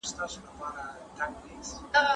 هو، که نظم او عدالت وي.